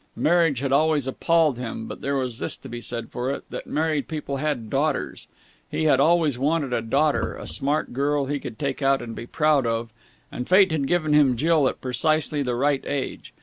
Marriage had always appalled him, but there was this to be said for it, that married people had daughters. He had always wanted a daughter, a smart girl he could take out and be proud of; and fate had given him Jill at precisely the right age.